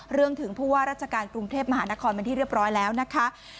ถึงผู้ว่าราชการกรุงเทพมหานครเป็นที่เรียบร้อยแล้วนะคะ